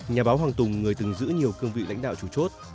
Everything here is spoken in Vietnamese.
nhà báo hoàng tùng người từng giữ nhiều cương vị lãnh đạo chủ chốt